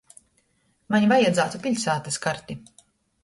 Maņ vajadzātu piļsātys karti.